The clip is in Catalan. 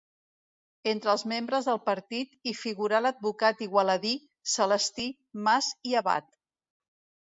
Entre els membres del partit hi figurà l'advocat igualadí Celestí Mas i Abat.